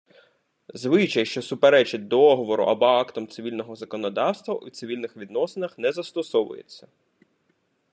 Звичай, що суперечить договору або актам цивільного законодавства, у цивільних відносинах не застосовується.